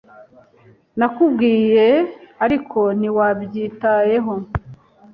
Nakubwiye, ariko ntiwabyitayeho.